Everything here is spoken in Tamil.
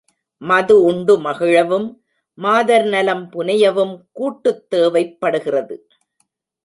மதுஉண்டு மகிழவும், மாதர் நலம் புனையவும் கூட்டுத் தேவைப்படுகிறது.